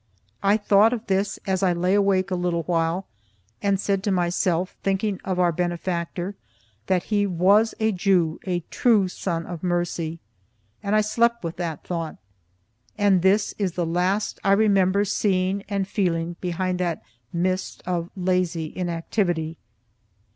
I thought of this as I lay awake a little while, and said to myself, thinking of our benefactor, that he was a Jew, a true "Son of Mercy." And I slept with that thought. And this is the last I remember seeing and feeling behind that mist of lazy inactivity.